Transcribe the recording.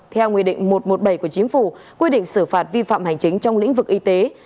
theo nguyên định một trăm một mươi bảy của chính phủ quy định xử phạt vi phạm hành chính trong lĩnh vực y tế